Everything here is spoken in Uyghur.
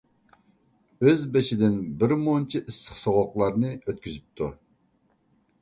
ئۆز بېشىدىن بىرمۇنچە ئىسسىق - سوغۇقلارنى ئۆتكۈزۈپتۇ.